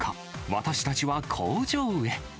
私たちは工場へ。